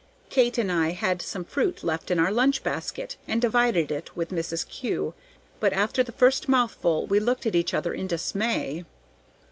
Kate and I had some fruit left in our lunch basket, and divided it with Mrs. Kew, but after the first mouthful we looked at each other in dismay.